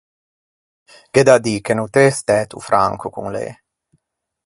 Gh’é da dî che no t’ê stæto franco con lê.